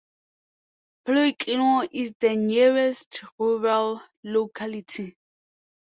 Plyukhino is the nearest rural locality.